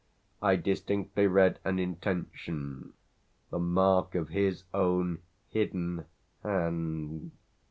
I distinctly read an intention, the mark of his own hidden hand.